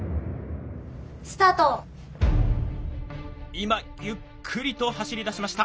今ゆっくりと走りだしました。